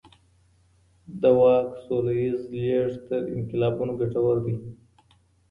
د واک سوله ييز لېږد تر انقلابونو ګټور دی.